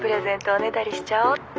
おねだりしちゃおっと。